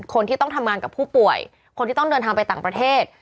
คนที่ต้องทำงานกับผู้ป่วยคนที่ต้องเดินทางไปต่างประเทศ